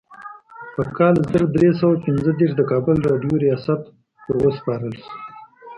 په کال زر درې سوه پنځه دیرش د کابل راډیو ریاست وروسپارل شو.